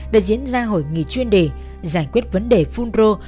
đã diễn ra hội nghị chuyên đề giải quyết vấn đề phun rô